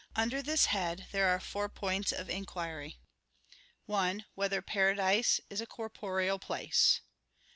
Under this head there are four points of inquiry: (1) Whether paradise is a corporeal place?